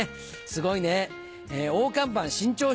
すごいね。